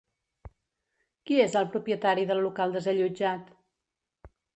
Qui és el propietari del local desallotjat?